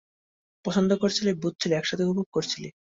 পছন্দ করেছিলি, বুঝেছিলি, একসাথে উপভোগ করেছিলি।